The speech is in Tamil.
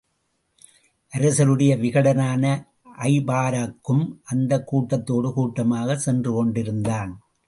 அரசருடைய விகடனான ஜபாரக்கும் அந்தக் கூட்டத்தோடு கூட்டமாகச் சென்று கொண்டிருந்தான்.